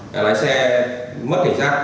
là lái xe mất cảnh sát